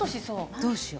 どうしよう？